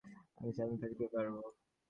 আমি শান্ত থাকতে পারবো।